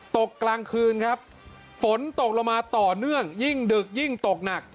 กลางคืนครับฝนตกลงมาต่อเนื่องยิ่งดึกยิ่งตกหนัก